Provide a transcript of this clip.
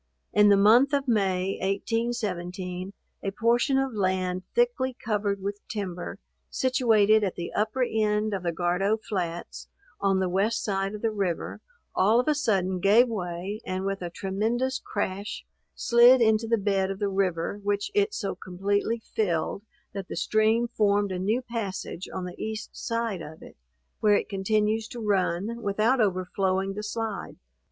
In the month of May, 1817, a portion of land thickly covered with timber, situated at the upper end of the Gardow flats, on the west side of the river, all of a sudden gave way, and with a tremendous crash, slid into the bed of the river, which it so completely filled, that the stream formed a new passage on the east side of it, where it continues to run, without overflowing the slide.